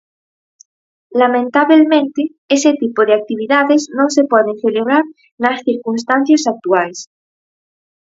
Lamentabelmente, ese tipo de actividades non se poden celebrar nas circunstancias actuais.